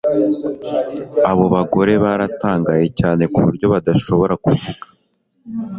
Abo bagore baratangaye cyane kuburyo badashobora kuvuga